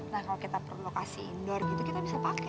nah kalo kita perlu lokasi indoor gitu kita bisa pake